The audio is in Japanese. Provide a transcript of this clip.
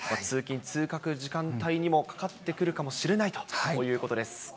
通勤・通学時間帯にもかかってくるかもしれないということです。